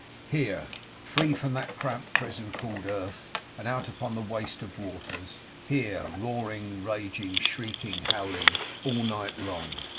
Here! Free from that cramped prison called the earth, and out upon the waste of waters. Here, roaring, raging, shrieking, howling, all night long.